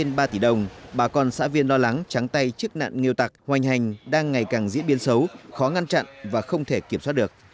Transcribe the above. trong thời gian trên ba tỷ đồng bà con xã viên lo lắng trắng tay chức nạn nghêu tặc hoành hành đang ngày càng diễn biến xấu khó ngăn chặn và không thể kiểm soát được